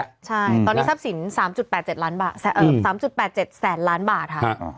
ใช่ตอนนี้ทรัพย์สิน๓๘๗๓๘๗แสนล้านบาทค่ะ